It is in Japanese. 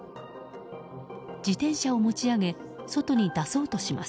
自転車を持ち上げ外に出そうとします。